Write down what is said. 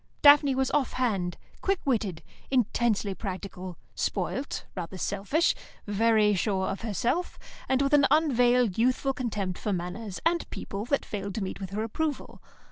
Daphne was off hand, quick witted, intensely practical, spoilt, rather selfish, very sure of herself, and with an unveiled youthful contempt for manners and people that failed to meet with her approval.